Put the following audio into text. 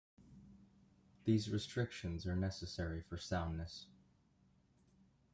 These restrictions are necessary for soundness.